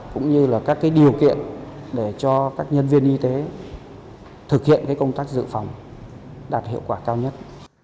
cũng như là các điều kiện để cho các nhân viên y tế thực hiện công tác dự phòng đạt hiệu quả cao nhất